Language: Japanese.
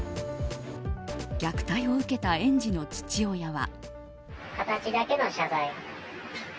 虐待を受けた園児の父親は。